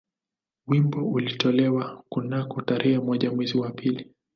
Wimbo ulitolewa kunako tarehe moja mwezi wa pili